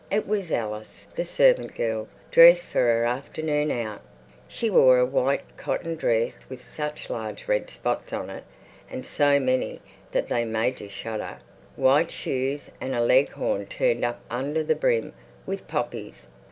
It was Alice, the servant girl, dressed for her afternoon out. She wore a white cotton dress with such large red spots on it and so many that they made you shudder, white shoes and a leghorn turned up under the brim with poppies.